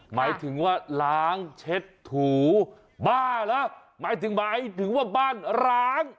หมายถึงว่าล้างเช็ดถูบ้าเหรอหมายถึงหมายถึงว่าบ้านร้าง